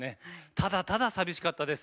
ただただ寂しかったです。